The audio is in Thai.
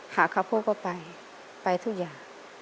หาข้าวพูกก็ไปไปทุกอย่าง